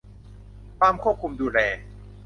ความควบคุมดูแล